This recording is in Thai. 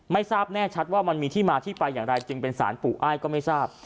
ไม่ทราบแน่ชัดว่ามันมีที่มาที่ไปอย่างไรจึงเป็นสารปู่อ้ายก็ไม่ทราบ